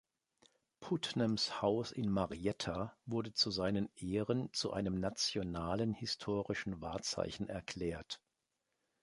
Putnams Haus in Marietta wurde zu seinen Ehren zu einem nationalen historischen Wahrzeichen erklärt.